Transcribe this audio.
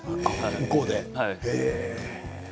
向こうで。